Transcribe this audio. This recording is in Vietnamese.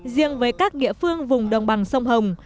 riêng với các địa phương vùng đồng bằng sông hồng